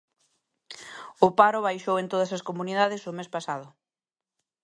O paro baixou en todas as comunidades o mes pasado.